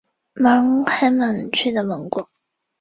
聋人开门取得芒果。